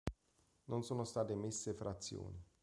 Non sono state emesse frazioni.